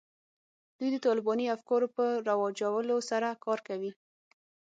دوی د طالباني افکارو په رواجولو سره کار کوي